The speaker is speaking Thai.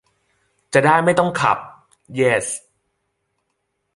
จะได้ไม่ต้องขับ เยส !